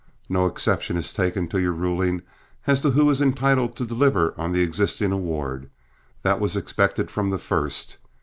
No exception is taken to your ruling as to who is entitled to deliver on the existing award; that was expected from the first.